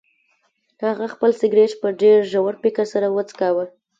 هغه خپل سګرټ په ډیر ژور فکر سره وڅکاوه.